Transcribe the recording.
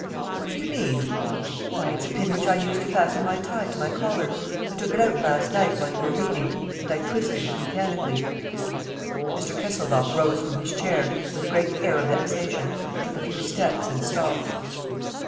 "What do you mean?" "Why, it's a pin which I used to fasten my tie to my collar. I took it out last night, while you were reading, and I twisted it mechanically." Mr. Kesselbach rose from his chair, with a great air of vexation, took a few steps and stopped.